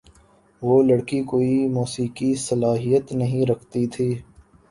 وہ لڑکی کوئی موسیقی صلاحیت نہیں رکھتی تھی۔